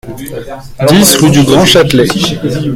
dix rue du Grand Châtelet